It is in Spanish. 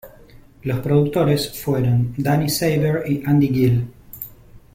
Los productores fueron Danny Saber y Andy Gill.